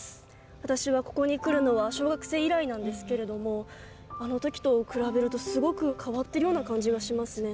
私はここに来るのは小学生以来なんですけれどもあの時と比べるとすごく変わってるような感じがしますね。